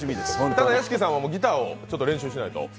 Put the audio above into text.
ただ屋敷さんはギターを練習しないと。